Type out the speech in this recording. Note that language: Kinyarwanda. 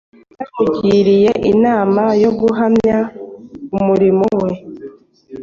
Yanamugiriye inama yo guhamya umurimo we